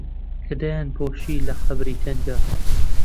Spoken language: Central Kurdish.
کە دایانپۆشی لە قەبری تەنگا